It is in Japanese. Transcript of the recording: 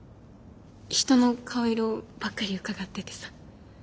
人の顔色ばっかりうかがっててさ。